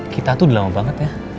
kita tuh lama banget ya